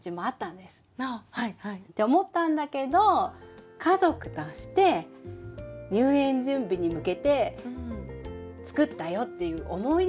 ああはいはい。って思ったんだけど家族として入園準備に向けて作ったよっていう思い出を作りたかった。